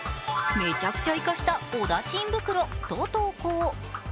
「めちゃくちゃイカした織田ちん袋」と投稿。